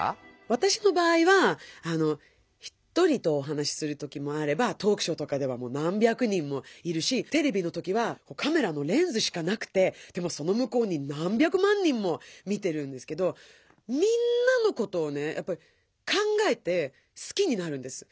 わたしの場合は一人とお話しする時もあればトークショーとかでは何百人もいるしテレビの時はカメラのレンズしかなくてでもそのむこうに何百万人も見てるんですけどみんなのことを考えてすきになるんです。